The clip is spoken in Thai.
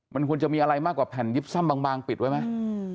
มันควรจะมีอะไรมากกว่าแผ่นยิบซ่ำบางปิดไว้ไหม